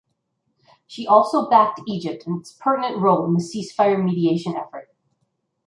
She also backed Egypt in its pertinent role in the ceasefire mediation effort.